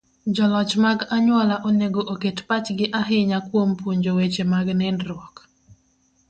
Joloch mag anyuola onego oket pachgi ahinya kuom puonjo weche mag nindruok.